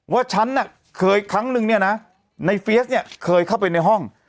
ว่าฉันน่ะเคยครั้งนึงเนี่ยนะในเฟียสเนี่ยเคยเข้าไปในห้อง